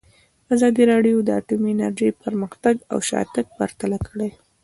ازادي راډیو د اټومي انرژي پرمختګ او شاتګ پرتله کړی.